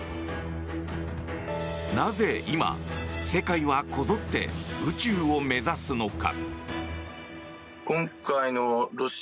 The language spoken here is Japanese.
なぜ今、世界はこぞって宇宙を目指すのか。